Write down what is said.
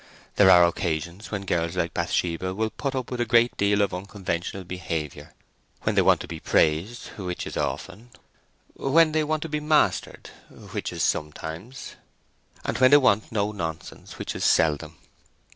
There are occasions when girls like Bathsheba will put up with a great deal of unconventional behaviour. When they want to be praised, which is often, when they want to be mastered, which is sometimes; and when they want no nonsense, which is seldom.